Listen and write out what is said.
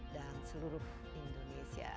dan seluruh indonesia